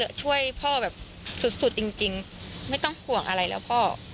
ก็ช่วยพ่อแบบสุดสุดจริงไม่ต้องห่วงอะไรแล้วพ่อ